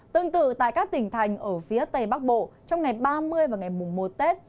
tương tự tại các tỉnh thành ở phía tây bắc bộ trong ngày ba mươi và ngày mùng một tết